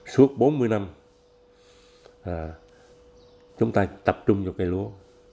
suốt bốn mươi năm chúng ta tập trung vào cây lúa